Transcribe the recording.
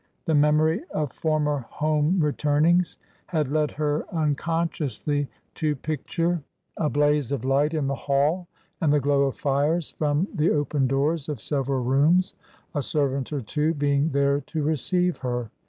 The memory of former home retumings had led her unconsciously to picture a 312 TRANSITION. blaze of light in the hall and the glow of fires from the open doors of several rooms, a servant or two being there to receive her.